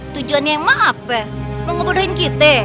tujuannya mah apa mau ngebodohin kita